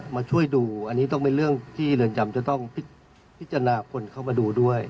มาช่วยดูอันนี้ต้องเป็นเรื่องที่เรือนจำจะต้องพิจารณาคนเข้ามาดูด้วย